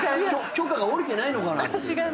許可が下りてないのかなって。